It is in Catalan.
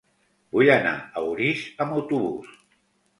Vull anar a Orís amb autobús.